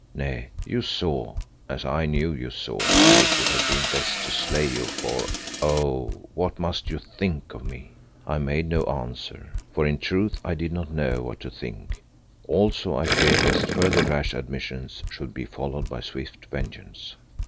Nay, you saw, as I knew you saw, and it would have been best to slay you for, oh! what must you think of me?" I made no answer, for in truth I did not know what to think, also I feared lest further rash admissions should be followed by swift vengeance.